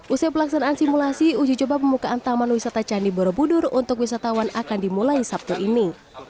usai pelaksanaan simulasi uji coba pembukaan taman wisata candi borobudur untuk wisatawan akan dimulai sabtu ini